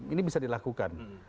ini bisa dilakukan